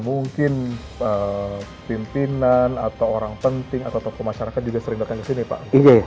mungkin pimpinan atau orang penting atau tokoh masyarakat juga sering datang ke sini pak